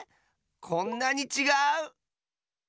こんなにちがう！